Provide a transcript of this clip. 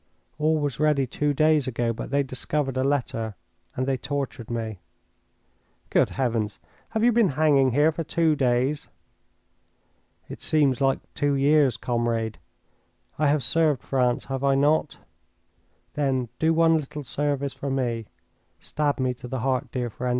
All was ready two days ago. But they discovered a letter and they tortured me." "Good heavens! have you been hanging here for two days?" "It seems like two years. Comrade, I have served France, have I not? Then do one little service for me. Stab me to the heart, dear friend!